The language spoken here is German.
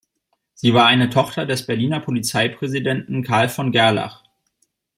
Sie war eine Tochter des Berliner Polizeipräsidenten Karl von Gerlach.